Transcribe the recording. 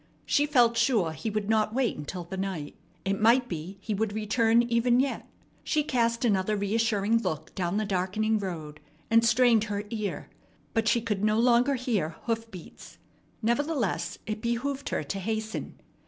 She felt sure he would not wait until the night. It might be he would return even yet. She cast another reassuring look down the darkening road, and strained her ear; but she could no longer hear hoof beats. Nevertheless, it behooved her to hasten.